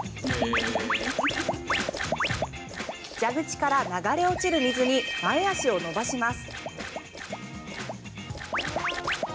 蛇口から流れ落ちる水に前足を伸ばします。